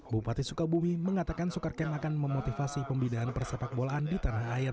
bupati sukabumi mengatakan soekarm akan memotivasi pembinaan persepak bolaan di tanah air